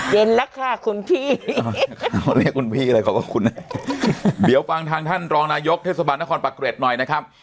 เย็นแล้วค่ะคุณพี่เขาเรียกคุณพี่เลยขอบคุณนะเดี๋ยวฟังทางท่านรองนายกเทศบาลนครปะเกร็ดหน่อยนะครับ